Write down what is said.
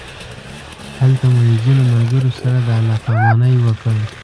هلته مو د ځینو ملګرو سره د الله پامانۍ وکړ.